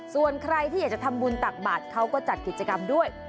ส่วนใครที่อยากจะทำบุญตักบาทเขาก็จัดกิจกรรมด้วย